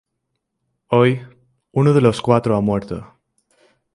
Hoy, uno de los cuatro ha muerto".